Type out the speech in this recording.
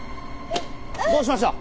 どうしました？